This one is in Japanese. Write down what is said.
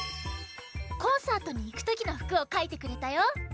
コンサートにいくときのふくをかいてくれたよ。